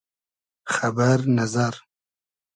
خئبئر نئزئر